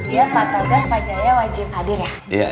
iya pak tegar pak jaya wajib hadir ya